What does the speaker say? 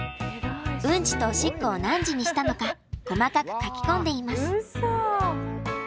うんちとおしっこを何時にしたのか細かく書き込んでいます。